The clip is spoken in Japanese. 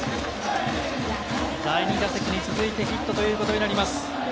第２打席に続いてヒットということになります。